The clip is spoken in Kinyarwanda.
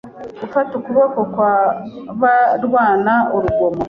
gufata ukuboko kwa barwana urugomo